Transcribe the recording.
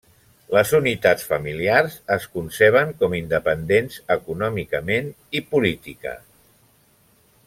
Les unitats familiars es conceben com independents econòmicament i política.